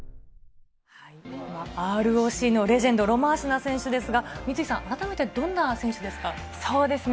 ＲＯＣのレジェンド、ロマーシナ選手ですが改めてどんな選手ですか？